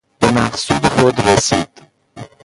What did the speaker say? بمقصود خود رسید